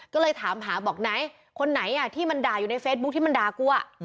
ก็เลยถามหาบอกไหนคนไหนที่มันด่าอยู่ในเฟซบุ๊คที่มันด่ากู